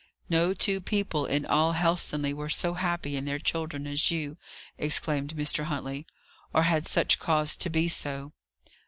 "No two people in all Helstonleigh were so happy in their children as you!" exclaimed Mr. Huntley. "Or had such cause to be so."